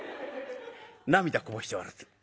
涙こぼして笑ってる」。